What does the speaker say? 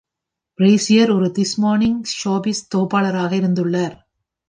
Brassiere ஒரு "this morning" showbiz தொகுப்பாளராகவும் இருந்துள்ளார்.